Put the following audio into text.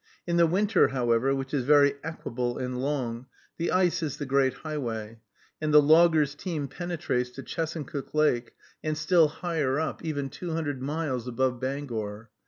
In the winter, however, which is very equable and long, the ice is the great highway, and the loggers' team penetrates to Chesuncook Lake, and still higher up, even two hundred miles above Bangor.